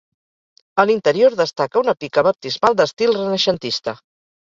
A l'interior destaca una pica baptismal d'estil renaixentista.